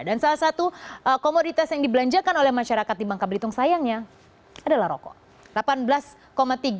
dan salah satu komoditas yang dibelanjakan oleh masyarakat di bank kabritung sayangnya adalah rokok